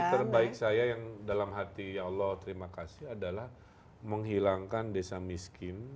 jadi saya mengucapkan kepada semua yang sudah berhasil menerima hati ya allah terima kasih adalah menghilangkan desa miskin